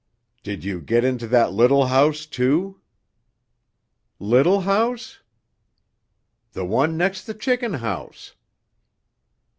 "Did you get into that little house, too?" "Little house?" "The one next the chicken house."